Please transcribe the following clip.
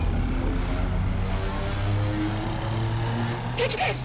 「敵です！